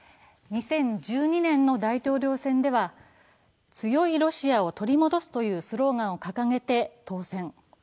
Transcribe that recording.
２０１２年の大統領選では、強いロシアを取り戻すというスローガンを掲げて当選。